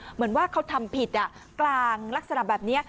เหมือนว่าเขาทำผิดกลางลักษณะแบบนี้